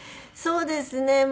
そうですね。